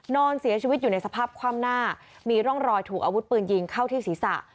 นอนเสียชีวิตอยู่ในสภาพคว่ำหน้ามีร่องรอยถูกอาวุธปืนยิงเข้าที่ศีรษะ